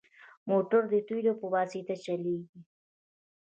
موټر د تیلو په واسطه چلېږي.